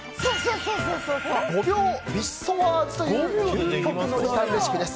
５秒ヴィシソワーズという究極の時短レシピです。